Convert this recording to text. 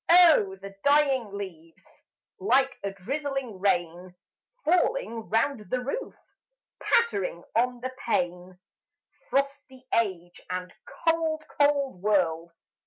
Oh, the dying leaves, Like a drizzling rain, Falling round the roof Pattering on the pane! Frosty Age and cold, cold World!